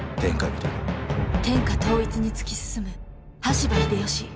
天下統一に突き進む羽柴秀吉。